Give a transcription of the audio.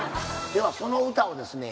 ではその歌をですね